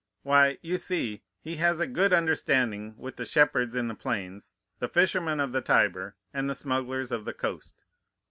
"Why, you see, he has a good understanding with the shepherds in the plains, the fishermen of the Tiber, and the smugglers of the coast.